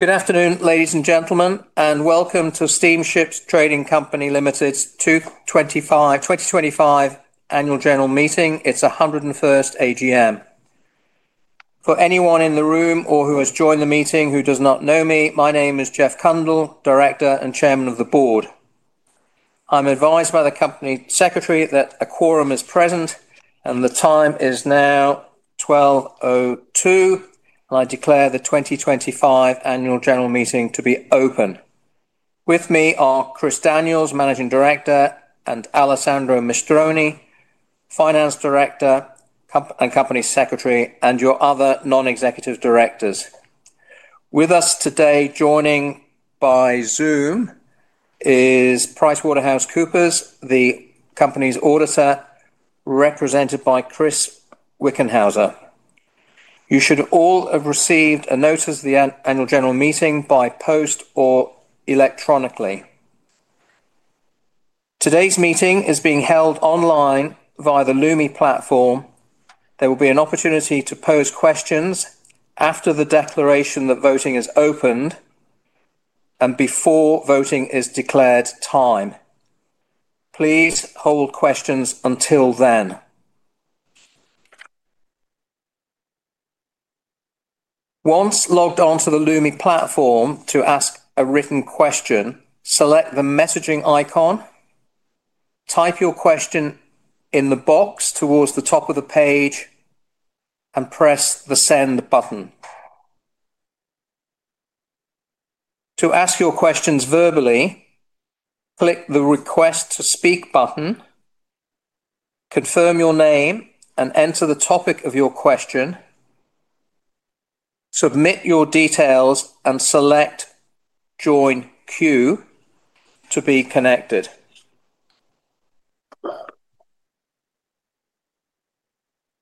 Good afternoon, ladies and gentlemen, and welcome to Steamships Trading Company Limited's 2025 Annual General Meeting. It is the 101st AGM. For anyone in the room or who has joined the meeting who does not know me, my name is Geoff Cundle, Director and Chairman of the Board. I am advised by the Company Secretary that a quorum is present, and the time is now 12:02 P.M., and I declare the 2025 Annual General Meeting to be open. With me are Chris Daniells, Managing Director, and Alessandro Mistroni, Finance Director and Company Secretary, and your other non-executive directors. With us today, joining by Zoom, is PricewaterhouseCoopers, the Company's auditor, represented by Chris Wickenhauser. You should all have received a notice of the Annual General Meeting by post or electronically. Today's meeting is being held online via the Lumi platform. There will be an opportunity to pose questions after the declaration that voting is opened and before voting is declared time. Please hold questions until then. Once logged onto the Lumi platform to ask a written question, select the messaging icon, type your question in the box towards the top of the page, and press the send button. To ask your questions verbally, click the request to speak button, confirm your name, and enter the topic of your question. Submit your details and select join queue to be connected.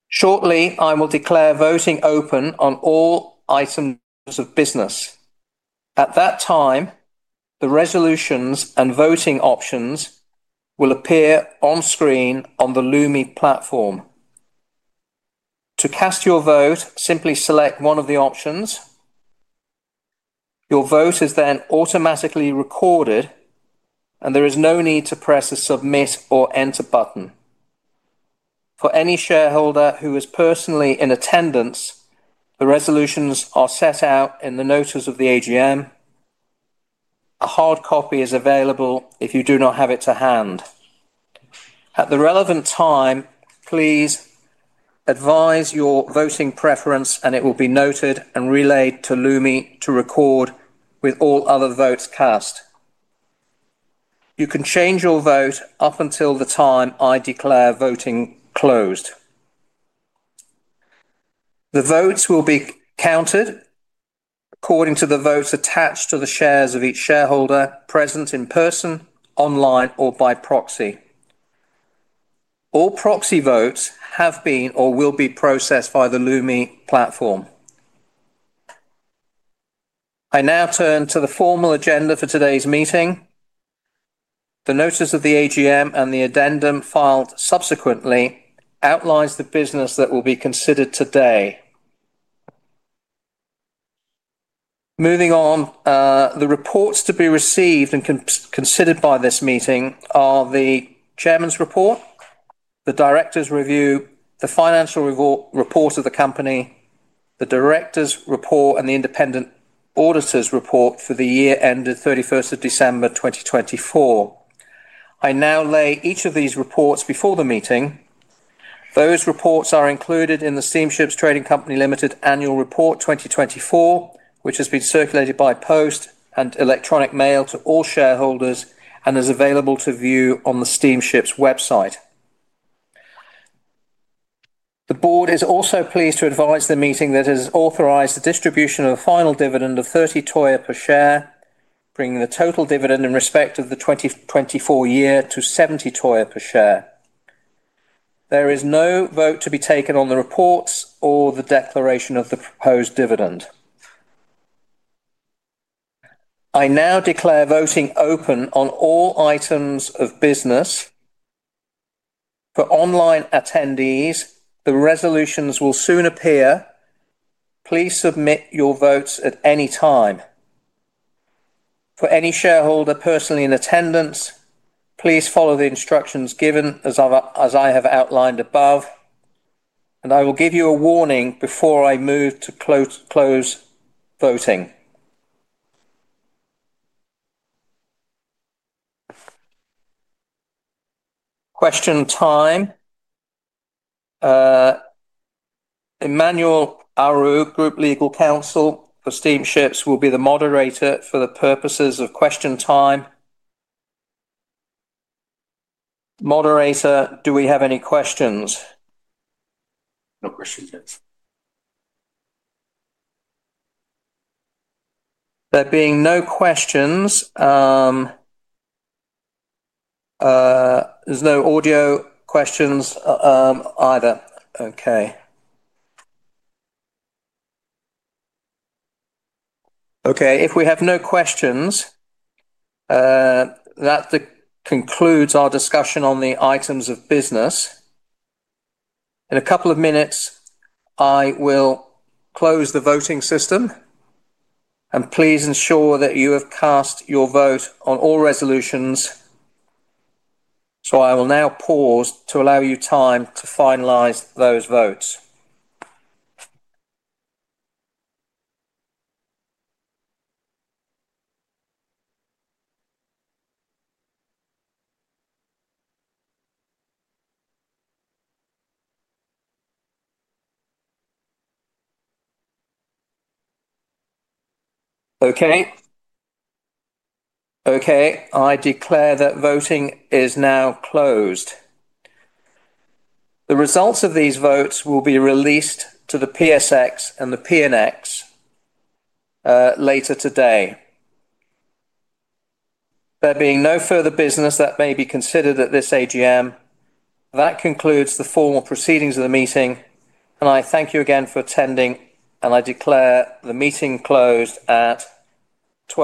Shortly, I will declare voting open on all items of business. At that time, the resolutions and voting options will appear on screen on the Lumi platform. To cast your vote, simply select one of the options. Your vote is then automatically recorded, and there is no need to press the submit or enter button. For any shareholder who is personally in attendance, the resolutions are set out in the notice of the AGM. A hard copy is available if you do not have it to hand. At the relevant time, please advise your voting preference, and it will be noted and relayed to Lumi to record with all other votes cast. You can change your vote up until the time I declare voting closed. The votes will be counted according to the votes attached to the shares of each shareholder present in person, online, or by proxy. All proxy votes have been or will be processed by the Lumi platform. I now turn to the formal agenda for today's meeting. The notice of the AGM and the addendum filed subsequently outlines the business that will be considered today. Moving on, the reports to be received and considered by this meeting are the Chairman's report, the Director's review, the financial report of the Company, the Director's report, and the independent auditor's report for the year ended 31st of December 2024. I now lay each of these reports before the meeting. Those reports are included in the Steamships Trading Company Limited Annual Report 2024, which has been circulated by post and electronic mail to all shareholders and is available to view on the Steamships website. The Board is also pleased to advise the meeting that it has authorized the distribution of a final dividend of PGK 0.30 per share, bringing the total dividend in respect of the 2024 year to PGK 0.70 per share. There is no vote to be taken on the reports or the declaration of the proposed dividend. I now declare voting open on all items of business. For online attendees, the resolutions will soon appear. Please submit your votes at any time. For any shareholder personally in attendance, please follow the instructions given as I have outlined above, and I will give you a warning before I move to close voting. Question time. Emmanuel Auru, Group Legal Counsel for Steamships, will be the moderator for the purposes of question time. Moderator, do we have any questions? No questions, yes. There being no questions, there's no audio questions either. Okay. Okay, if we have no questions, that concludes our discussion on the items of business. In a couple of minutes, I will close the voting system, and please ensure that you have cast your vote on all resolutions. I will now pause to allow you time to finalize those votes. Okay. Okay, I declare that voting is now closed. The results of these votes will be released to the PNGX later today. There being no further business that may be considered at this AGM, that concludes the formal proceedings of the meeting, and I thank you again for attending, and I declare the meeting closed at.